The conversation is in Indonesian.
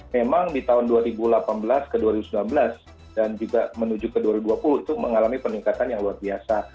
memang di tahun dua ribu delapan belas ke dua ribu sembilan belas dan juga menuju ke dua ribu dua puluh itu mengalami peningkatan yang luar biasa